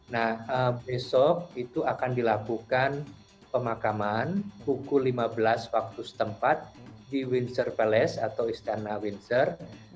nah besok itu akan dilakukan pemakaman pukul lima belas waktu setempat di windsor palace atau istana windsor